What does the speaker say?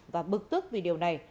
và bực tức vì điều này